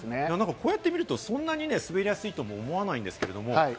こうやって見ると、そんなに滑りやすいとも思わないんですけれど。